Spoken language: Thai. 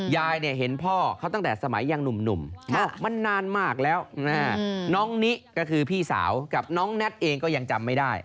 ยายเนี่ยเห็นพ่อเขาตั้งแต่สมัยยังหนุ่มมันนานมากแล้วน้องนิก็คือพี่สาวกับน้องแน็ตเองก็ยังจำไม่ได้